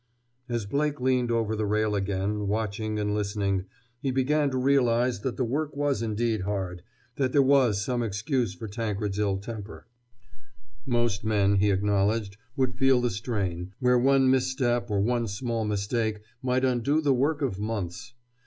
As Blake leaned over the rail again, watching and listening, he began to realize that the work was indeed hard, that there was some excuse for Tankred's ill temper. Most men, he acknowledged, would feel the strain, where one misstep or one small mistake might undo the work of months.